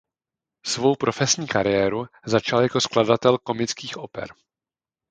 Svou profesní kariéru začal jako skladatel komických oper.